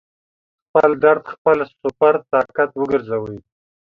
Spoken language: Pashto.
خپل درد خپل سُوپر طاقت وګرځوئ